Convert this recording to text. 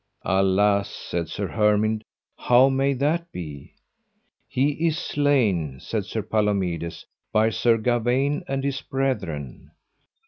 Alas, said Sir Hermind, how may that be? He is slain, said Sir Palomides, by Sir Gawaine and his brethren.